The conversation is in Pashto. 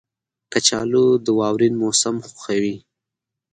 کچالو د واورین موسم خوښوي